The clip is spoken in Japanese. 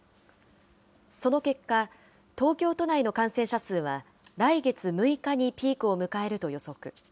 その結果、東京都内の感染者数は来月６日にピークを迎えると予測。